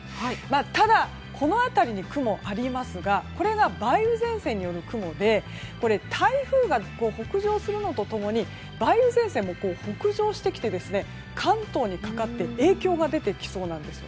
ただ、この辺りに雲がありますがこれが梅雨前線による雲で台風が北上するのと共に梅雨前線も北上してきて関東にかかって影響が出てきそうなんです。